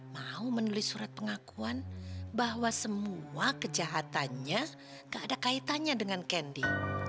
mau menulis surat pengakuan bahwa semua kejahatannya gak ada kaitannya dengan kendi